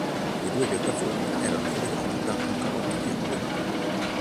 Le due piattaforme erano collegate da un cavalcavia pedonale.